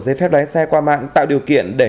giấy phép lái xe qua mạng tạo điều kiện để